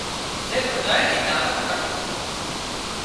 زي ٻڌانئي ني دعوت ڪرتون